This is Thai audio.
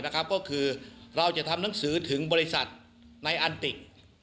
ก็คือเราจะทำหนังสือถึงบริษัทในอันติก